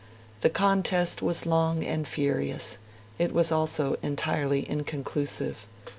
The contest was long and furious; it was also entirely inconclusive.